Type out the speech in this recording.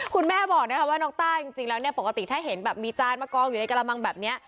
คุณแม่บอกนะคะว่าน้องต้าจริงแล้วเนี่ยปกติถ้าเห็นแบบมีจานมากองอยู่ในกระมังแบบนี้